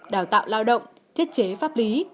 đào tạo lao động thiết chế pháp lý